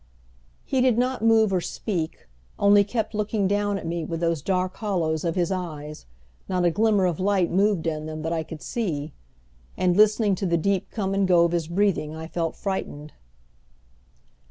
He did not move or speak, only kept looking down at me with those dark hollows of his eyes, not a glimmer of light moved in them that I could see, and, listening to the deep come and go of his breathing I felt frightened.